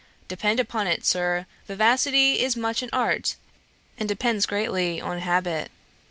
Depend upon it, Sir, vivacity is much an art, and depends greatly on habit.'